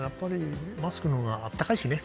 マスクのほうが暖かいしね。